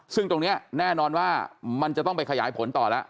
ซึ่งตรงนี้แน่นอนว่ามันจะต้องไปขยายผลต่อแล้ว